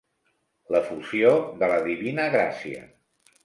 L'efusió de la divina gràcia.